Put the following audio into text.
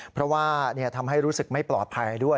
เพราะว่าทำให้รู้สึกไม่ปลอดภัยด้วย